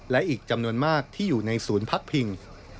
และอีกจำนวนมากที่อยู่ในศูนย์พักพิง